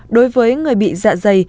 đối với người bị dạ dày